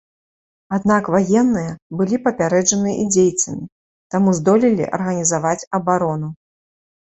Аднак ваенныя былі папярэджаны індзейцамі, таму здолелі арганізаваць абарону.